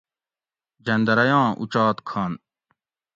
جندرئ آں اُچات کھن